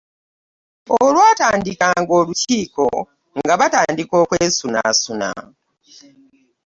Olwatandikanga olukiiko nga batandika kwesunaasuna.